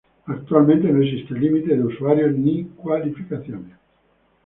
Actualmente no existe límite de usuarios ni cualificaciones.